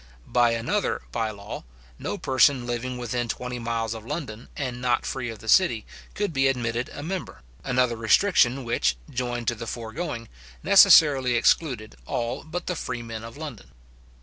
By another bye law, no person living within twenty miles of London, and not free of the city, could be admitted a member; another restriction which, joined to the foregoing, necessarily excluded all but the freemen of London.